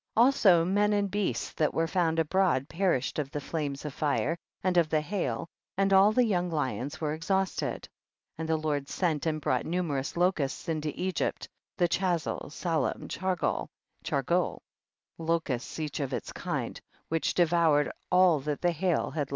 32. Also men and beasts that were found abroad perished of the flames of fire and of the hail, and all the young % lions were exhausted. 33. And the Lord seni and brought nmnerous locusts into Egpyt, the Chasel, Salom Chargol, and Cha gole,^ locusts each of its kind, which devoured all that the hail had left re maining.